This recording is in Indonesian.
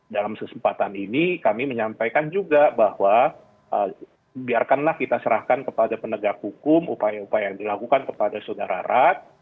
dalam kesempatan ini kami menyampaikan juga bahwa biarkanlah kita serahkan kepada penegak hukum upaya upaya yang dilakukan kepada saudara rat